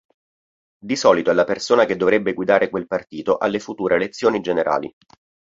Di solito è la persona che dovrebbe guidare quel partito alle future elezioni generali.